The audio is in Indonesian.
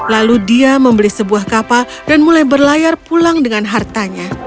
lalu dia membeli sebuah kapal dan mulai berlayar pulang dengan hartanya